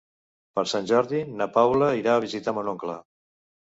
Per Sant Jordi na Paula irà a visitar mon oncle.